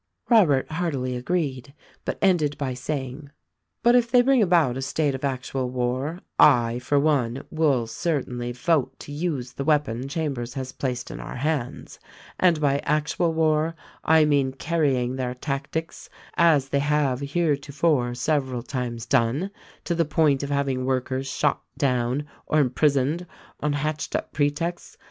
Robert heartily agreed, but ended by saying: "But if they bring about a state of actual war, I, for one, will certainly vote to use the weapon Chambers has placed in our hands; and by actual war I mean carrying their tactics, as they have heretofore several times done, to the point of having workers shot down or imprisoned on hatched up pretexts.